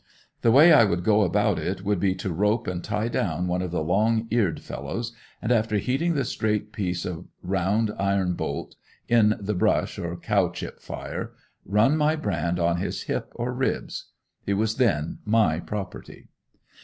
The way I would go about it would be to rope and tie down one of the long eared fellows and after heating the straight piece of round, iron bolt, in the brush or "cow chip" fire, "run" my brand on his hip or ribs. He was then my property.